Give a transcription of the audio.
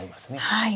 はい。